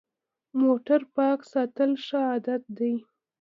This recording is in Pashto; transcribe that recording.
موټر پاک ساتل ښه عادت دی.